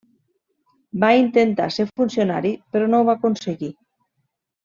Va intentar ser funcionari però no ho va aconseguir.